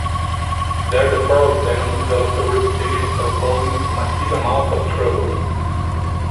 There the four of them developed a reputation for causing massive amounts of trouble.